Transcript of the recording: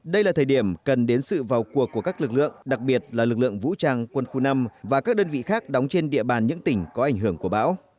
đây là thời điểm cần đến sự vào cuộc của các lực lượng đặc biệt là lực lượng vũ trang quân khu năm và các đơn vị khác đóng trên địa bàn những tỉnh có ảnh hưởng của bão